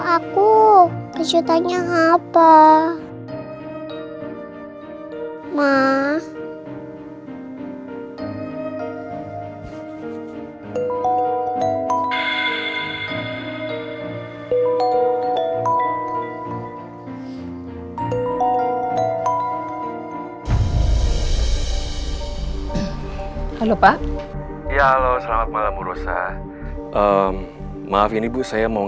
assalamualaikum warahmatullahi wabarakatuh